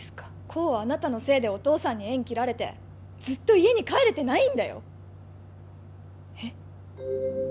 功はあなたのせいでお父さんに縁切られてずっと家に帰れてないんだよえっ？